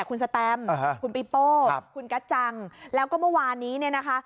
คุณสแตมคุณปีโป้คุณกัจจังแล้วก็เมื่อวานนี้เนี่ยนะคะ